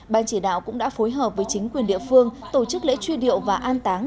ban chỉ đạo cũng đã phối hợp với chính quyền địa phương tổ chức lễ truy điệu và an táng